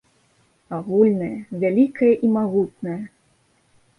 Агульнае, вялікае і магутнае.